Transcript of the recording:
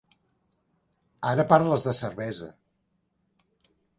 Ara parles de cervesa!